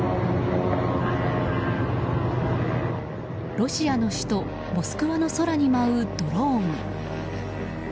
ロシアの首都モスクワの空に舞うドローン。